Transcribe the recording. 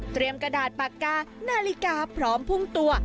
กระดาษปากกานาฬิกาพร้อมพุ่งตัว